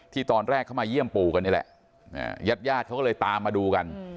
ที่ตอนแรกเข้ามาเยี่ยมปู่กันเนี้ยแหละน่ะยาดยาดเขาก็เลยตามมาดูกัน